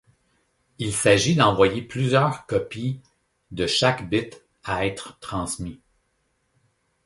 Il s'agit d'envoyer plusieurs copies de chaque bit à être transmis.